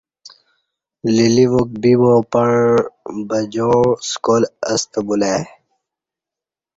لیلیواک بیبا پع بجاع سکالاستہ بولہ ای